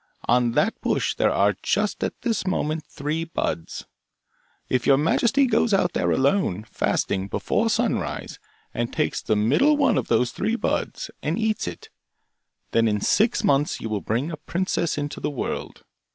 On that bush there are just at this moment three buds. If your majesty goes out there alone, fasting, before sunrise, and takes the middle one of the three buds, and eats it, then in six months you will bring a princess into the world.